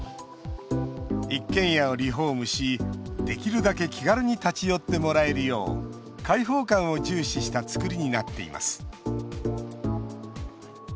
一軒家をリフォームしできるだけ気軽に立ち寄ってもらえるよう開放感を重視した造りになっています。